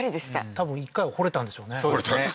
多分一回は掘れたんでしょうね